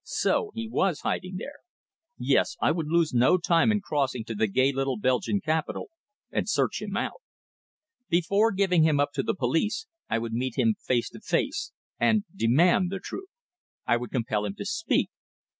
So he was hiding there. Yes, I would lose no time in crossing to the gay little Belgian capital and search him out. Before giving him up to the police I would meet him face to face and demand the truth. I would compel him to speak.